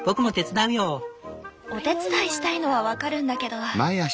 お手伝いしたいのは分かるんだけど。